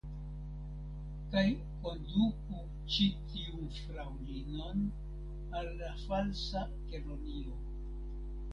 Kaj konduku ĉi tiun fraŭlinon al la Falsa Kelonio.